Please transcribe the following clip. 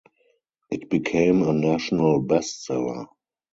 It became a national bestseller.